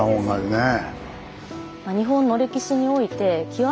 ねえ。